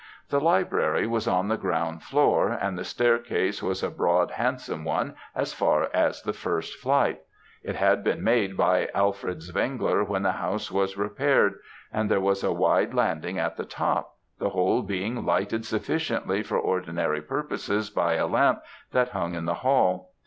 The library was on the ground floor, and the staircase was a broad, handsome one as far as the first flight; it had been made by Alfred Zwengler when the house was repaired, and there was a wide landing at the top, the whole being lighted sufficiently for ordinary purposes by a lamp that hung in the hall.